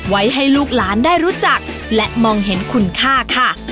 ให้ลูกหลานได้รู้จักและมองเห็นคุณค่าค่ะ